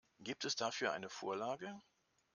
Gibt es dafür eine Vorlage?